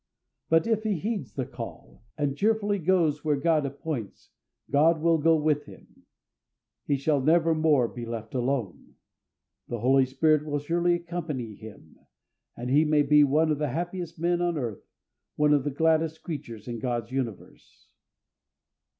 But if he heeds the call, and cheerfully goes where God appoints, God will go with him; he shall nevermore be left alone. The Holy Spirit will surely accompany him, and he may be one of the happiest men on earth, one of the gladdest creatures in God's universe.